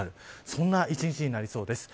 そんな１日になりそうです。